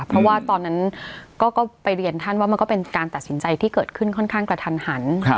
เพราะว่าตอนนั้นก็ไปเรียนท่านว่ามันก็เป็นการตัดสินใจที่เกิดขึ้นค่อนข้างกระทันหัน